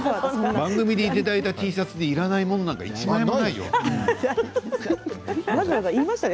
番組でいただいたＴシャツでいらないものなんて１枚もないよ。